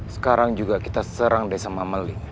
sekarang juga kita serang desa mamali